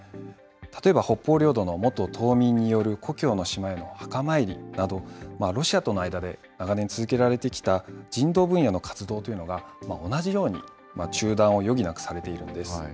例えば北方領土の元島民による故郷の島への墓参りなど、ロシアとの間で長年続けられてきた人道分野の活動というのが、同じように中断を余儀なくされているんです。